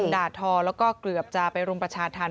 ด่าทอแล้วก็เกือบจะไปรุมประชาธรรม